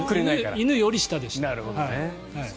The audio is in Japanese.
犬より下でした。